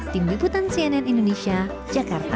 tim liputan cnn indonesia jakarta